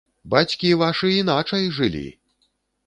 Бацькі вашы іначай жылі!